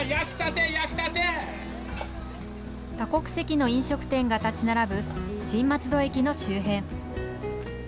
多国籍の飲食店が建ち並ぶ新松戸駅の周辺。